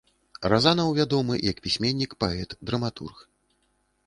Разанаў вядомы як пісьменнік, паэт, драматург.